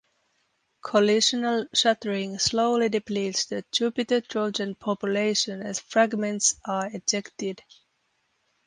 Collisional shattering slowly depletes the Jupiter trojan population as fragments are ejected.